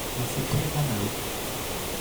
Ils s’écrivent l’un à l’autre.